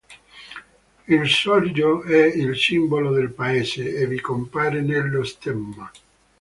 Il sorgo è il simbolo del paese e vi compare nello stemma.